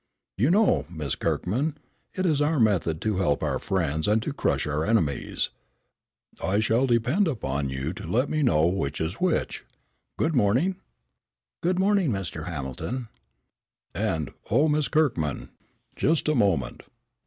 You know, Miss Kirkman, it is our method to help our friends and to crush our enemies. I shall depend upon you to let me know which is which. Good morning." "Good morning, Mr. Hamilton." "And, oh, Miss Kirkman, just a moment.